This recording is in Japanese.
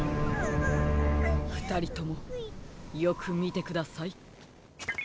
ふたりともよくみてください。